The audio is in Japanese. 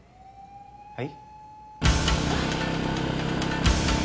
はい？